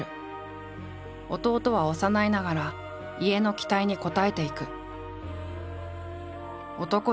弟は幼いながら家の期待に応えていく。